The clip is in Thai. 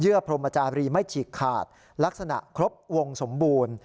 พรมจาบรีไม่ฉีกขาดลักษณะครบวงสมบูรณ์